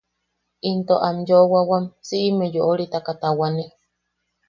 Into am yoowawam si’ime yo’oritaka tawane.